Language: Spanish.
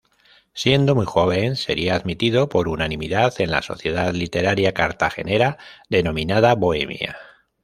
Siendo muy joven, sería admitido por unanimidad en la Sociedad Literaria cartagenera, denominada "Bohemia".